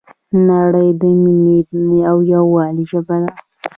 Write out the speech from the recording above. نړۍ د مینې او یووالي ژبه ده.